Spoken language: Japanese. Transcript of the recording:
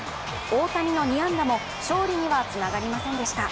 大谷の２安打も勝利にはつながりませんでした。